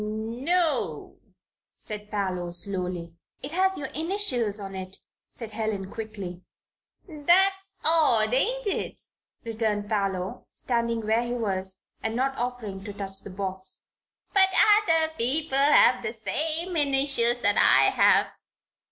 "No o," said Parloe, slowly. "It has your initials on it," said Helen, quickly. "That's odd, ain't it?" returned Parloe, standing where he was and not offering to touch the box. "But other people have the same initials that I have."